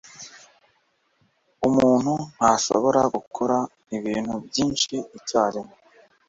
Umuntu ntashobora gukora ibintu byinshi icyarimwe.